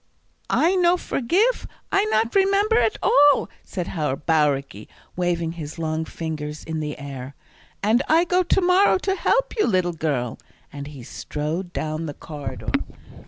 "I no forgeef; I not remember at all," said Herr Bauricke, waving his long fingers in the air. "And I go to morrow to help you, leedle girl," and he strode down the corridor.